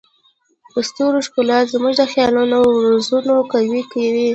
د ستورو ښکلا زموږ د خیالونو وزرونه قوي کوي.